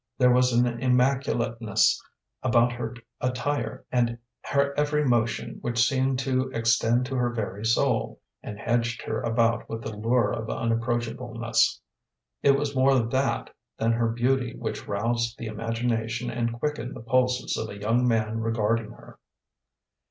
There was an immaculateness about her attire and her every motion which seemed to extend to her very soul, and hedged her about with the lure of unapproachableness. It was more that than her beauty which roused the imagination and quickened the pulses of a young man regarding her.